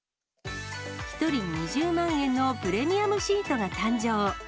１人２０万円のプレミアムシートが誕生。